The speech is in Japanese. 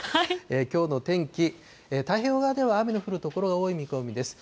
きょうの天気、太平洋側では雨が降る所が多い見込みです。